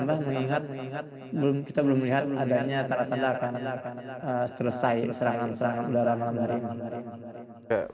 dan kemungkinan masih akan terus bertambah kita belum melihat adanya tanda tanda akan selesai serangan udara malam hari ini